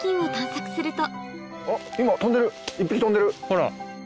ほら。